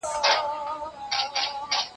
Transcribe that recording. بشپړ وکړه،